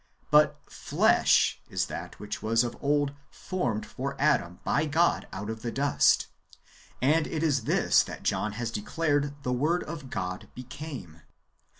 But flesh is that which was of old formed for Adam by God out of the dust, and it is this that John has declared the Word of God became.